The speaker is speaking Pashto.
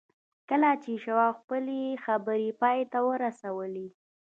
کله چې شواب خپلې خبرې پای ته ورسولې